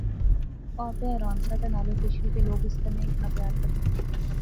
او آپے حیران سا تہ نالے خوش وی کہ لوک اس کنے اتنا پیار کرنے